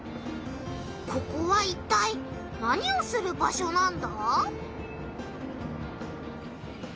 ここはいったい何をする場所なんだ？